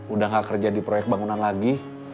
udah gak kerja di proyek bangunan lagi